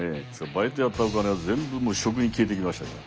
バイトやったお金は全部食に消えていきましたから。